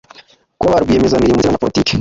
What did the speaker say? kuba ba rwiyemezamirimo ndetse n’abanyapolitike.